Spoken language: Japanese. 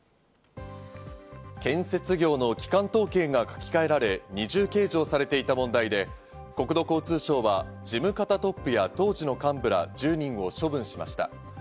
建設業の基幹統計が書き換えられ、二重計上されていた問題で、国土交通省は事務方トップや当時の幹部ら１０人を処分しました。